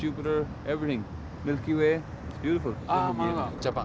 ジャパン。